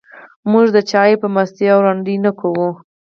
موږ د چا عیب په مستۍ او رندۍ نه کوو.